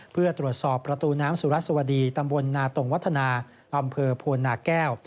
เพื่อตรวจสอบประตูน้ำสุรัสวดีตำบลนาตรงวัฒนาอำเภอโพนาแก้ว